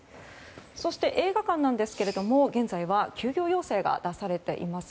そして、映画館ですが現在は休業要請が出されています。